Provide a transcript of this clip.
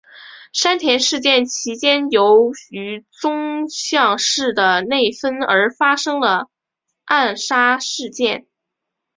山田事件其间由于宗像氏的内纷而发生的暗杀事件。